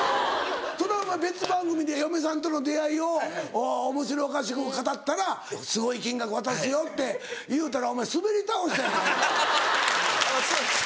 それはお前別番組で嫁さんとの出会いをおもしろおかしく語ったらすごい金額渡すよって言うたらお前スベり倒したやないか。